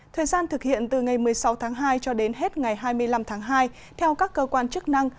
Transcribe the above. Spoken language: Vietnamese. thời gian thực hiện từ ngày một mươi sáu tháng hai cho đến hết ngày hai mươi năm tháng hai theo các cơ quan chức năng